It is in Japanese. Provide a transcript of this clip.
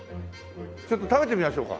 ちょっと食べてみましょうか。